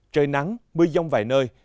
trời nắng mưa giông vài nơi